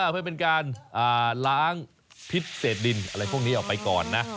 เพื่อเป็นการล้างพิษเศษดินอะไรพวกนี้ออกไปก่อนนะ